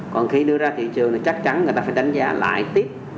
còn khi đưa ra thị trường thì chắc chắn người ta phải đánh giá lại tiếp